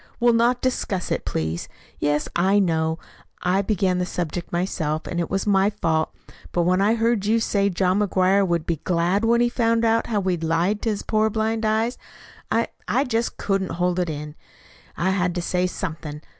"We'll not discuss it, please, Yes, I know, I began the subject myself, and it was my fault; but when I heard you say John McGuire would be glad when he found out how we'd lied to his poor blind eyes, I I just couldn't hold it in. I had to say something.